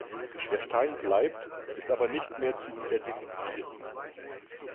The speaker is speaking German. Der Stein bleibt, ist aber nicht mehr zu identifizieren.